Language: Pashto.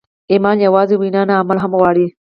ایمان یوازې وینا نه، عمل هم غواړي.